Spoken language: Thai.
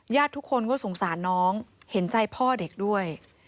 ทุกคนก็สงสารน้องเห็นใจพ่อเด็กด้วย